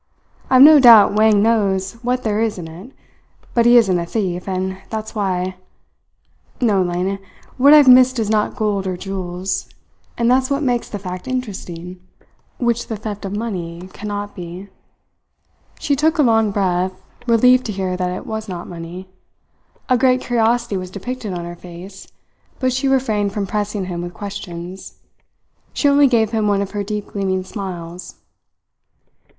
I have no doubt Wang knows what there is in it, but he isn't a thief, and that's why I no, Lena, what I've missed is not gold or jewels; and that's what makes the fact interesting which the theft of money cannot be." She took a long breath, relieved to hear that it was not money. A great curiosity was depicted on her face, but she refrained from pressing him with questions. She only gave him one of her deep gleaming smiles.